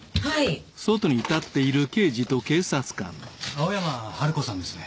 青山春子さんですね？